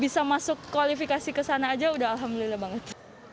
bisa masuk kualifikasi ke sana aja udah alhamdulillah banget